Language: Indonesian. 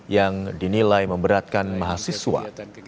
yang dinilai memberatkan mahasiswa